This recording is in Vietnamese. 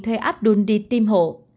thuê abdul đi tiêm hộ